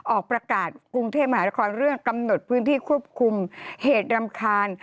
ออกประกาศกรุงเทพมหานครเรื่องกำหนดพื้นที่ควบคุมเหตุรำคาญ